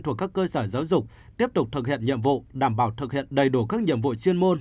thuộc các cơ sở giáo dục tiếp tục thực hiện nhiệm vụ đảm bảo thực hiện đầy đủ các nhiệm vụ chuyên môn